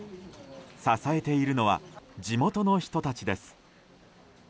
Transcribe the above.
支えているのは地元の人たちです。